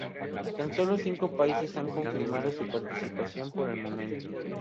Tan solo cinco países han confirmado su participación por el momento.